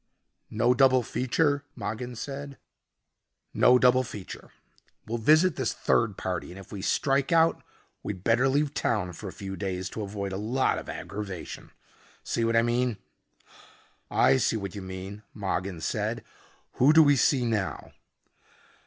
"No double feature?" Mogin said. "No double feature. We'll visit this third party and if we strike out we'd better leave town for a few days to avoid a lot of aggravation. See what I mean?" "I see what you mean," Mogin said. "Who do we see now?"